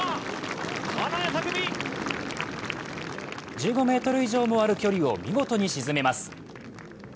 １５ｍ以上もある距離を見事に沈めます。